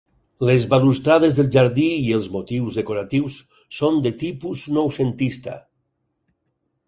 Les balustrades del jardí i els motius decoratius són de tipus noucentista.